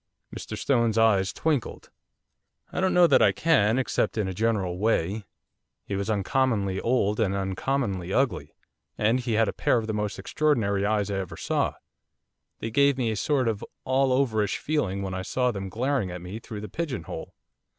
Mr Stone's eyes twinkled. 'I don't know that I can, except in a general way, he was uncommonly old and uncommonly ugly, and he had a pair of the most extraordinary eyes I ever saw, they gave me a sort of all overish feeling when I saw them glaring at me through the pigeon hole.